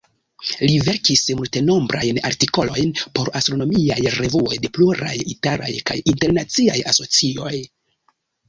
Li verkis multenombrajn artikolojn por astronomiaj revuoj de pluraj italaj kaj internaciaj asocioj.